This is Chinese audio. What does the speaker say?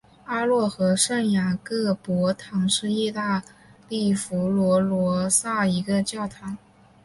阿诺河圣雅各伯堂是意大利佛罗伦萨一个教堂。